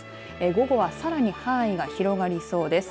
午後はさらに範囲が広まりそうです。